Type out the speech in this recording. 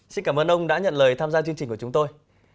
xin cảm ơn ông đã nhận lời tham gia chương trình của chúng tôi